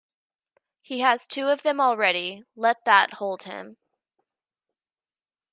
He has two of them already, let that hold him.